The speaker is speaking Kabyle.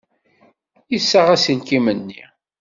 Yessaɣ aselkim-nni.